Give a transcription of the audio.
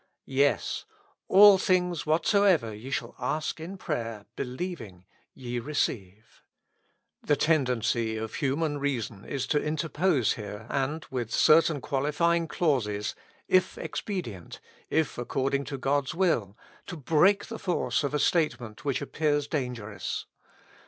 Yes, " all things WHATSOEVER ye shall ask in prayer believing, ye received The tendency of human reason is to inter pose here, and with certain qualifying clauses, " if expedient," " if according to God's will," to break the force of a statement which appears dangerous.